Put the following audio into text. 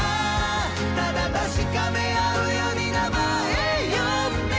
「ただ確かめ合うように名前呼んで」